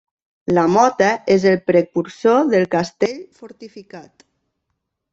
La mota és el precursor del castell fortificat.